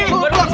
buat ibu messi